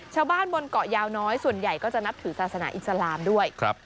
ชาวบ้านบนเกาะยาวน้อยส่วนใหญ่ก็จะนับถือศาสนาอิสลามด้วย